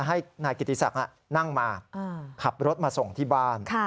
ให้นายกิติศักดิ์นั่งมาขับรถมาส่งที่บ้าน